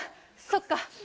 そっか。